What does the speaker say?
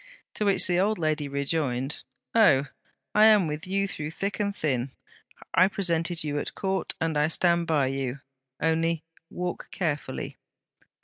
To which the old lady rejoined: 'Oh! I am with you through thick and thin. I presented you at Court, and I stand by you. Only, walk carefully.